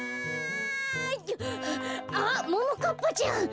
あっももかっぱちゃん！